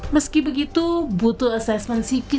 meski begitu butuh asesmen sifat